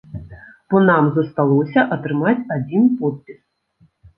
Бо нам засталося атрымаць адзін подпіс.